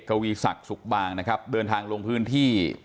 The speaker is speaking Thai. กวีศักดิ์สุขบางนะครับเดินทางลงพื้นที่